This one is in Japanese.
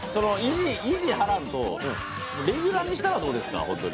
意地はらんと、レギュラーにしたらどうですか？